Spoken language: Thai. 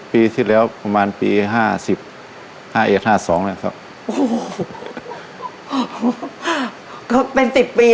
๑๐ปีที่แล้วประมาณปี๕๐